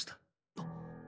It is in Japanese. あっ。